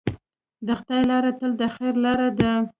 د خدای لاره تل د خیر لاره ده.